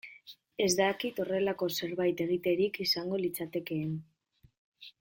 Ez dakit horrelako zerbait egiterik izango litzatekeen.